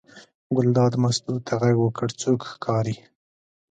ګلداد مستو ته غږ وکړ: څوک ښکاري.